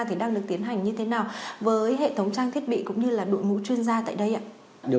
thì đang được tiến hành như thế nào với hệ thống trang thiết bị cũng như là đội ngũ chuyên gia tại đây ạ